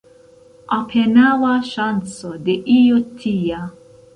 Apenaŭa ŝanco de io tia.